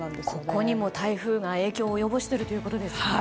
ここにも台風が影響を及ぼしているということですね。